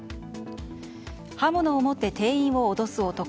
刃物を持って店員を脅す男。